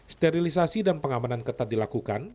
sterilisasi dan pengamanan ketat dilakukan